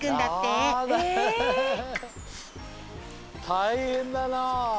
たいへんだな！